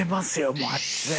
もう、あっちで。